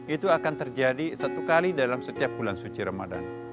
itu akan terjadi satu kali dalam setiap bulan suci ramadan